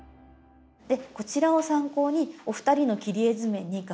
でこちらを参考にお二人の切り絵図面に柄を加えて下さい。